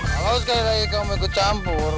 kalau sekali lagi kamu ikut campur